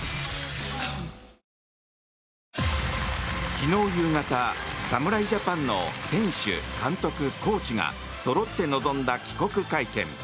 昨日夕方、侍ジャパンの選手、監督、コーチがそろって臨んだ帰国会見。